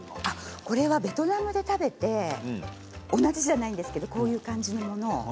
これはベトナムで食べて同じじゃないんですけどこういう感じのもの